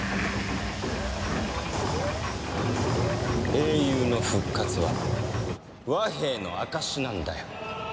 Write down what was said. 英雄の復活は和平の証しなんだよ。